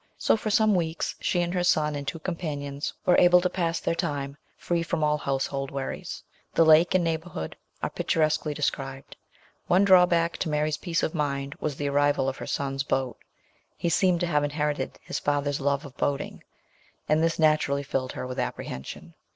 So for some weeks she and her son and two companions were able to pass their time free from all household worries. The lake and neighbourhood are picturesquely described. One drawback to Mary's peace of mind was the arrival of her son's boat. He seemed to have inherited his father's love of boating, and this naturally filled her with apprehension.